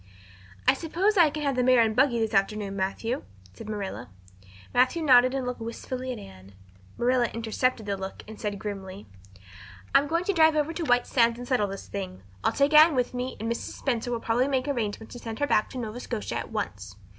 "I suppose I can have the mare and buggy this afternoon, Matthew?" said Marilla. Matthew nodded and looked wistfully at Anne. Marilla intercepted the look and said grimly: "I'm going to drive over to White Sands and settle this thing. I'll take Anne with me and Mrs. Spencer will probably make arrangements to send her back to Nova Scotia at once.